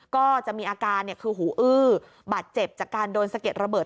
ก็จะมีอาการคือหูอื้อบาดเจ็บจากการโดนสะเก็ดระเบิด